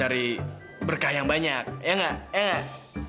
cari berkah yang banyak ya nggak